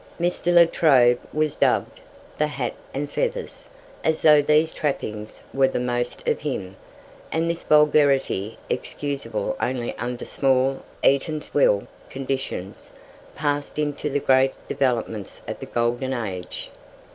Mr. La Trobe was dubbed "the Hat and Feathers," as though these trappings were the most of him; and this vulgarity, excusable only under small "Eatanswill" conditions, passed into the great developments of the golden age.